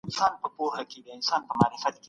د علم او هنر يووالی د سياست اساس دی.